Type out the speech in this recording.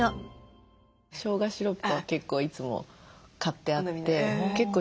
しょうがシロップは結構いつも買ってあって。